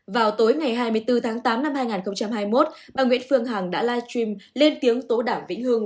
vào tối ngày hai mươi bốn tháng tám năm hai nghìn hai mươi một bà nguyễn phương hằng đã live stream lên tiếng tố đảm vĩnh hương